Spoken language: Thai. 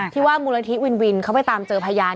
ที่ว่ามูลนิธิวินวินเขาไปตามเจอพยาน